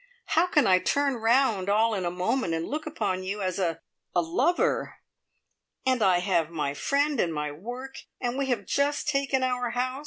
How can I turn round all in a moment and look upon you as a a lover? And I have my friend and my work and we have just taken our house.